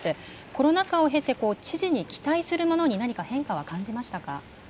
コロナ禍を経て、知事に期待するものに、何か変化は感じましたか。